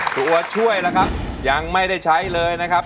ตัวช่วยล่ะครับยังไม่ได้ใช้เลยนะครับ